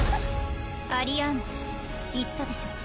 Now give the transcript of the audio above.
アリアーヌ言ったでしょ